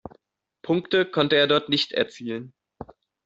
Punkte konnte er dort nicht erzielen.